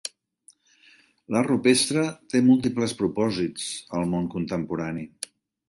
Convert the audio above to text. L'art rupestre té múltiples propòsits al món contemporani.